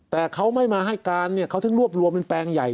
แต่เขาไม่มาให้การเนี่ยเขาถึงรวบรวมเป็นแปลงใหญ่